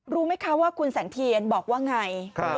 รู้ไหมคะว่าคุณแสงเทียนบอกว่าไง